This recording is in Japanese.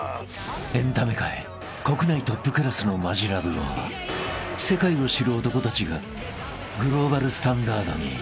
［エンタメ界国内トップクラスのマヂラブを世界を知る男たちがグローバルスタンダードに］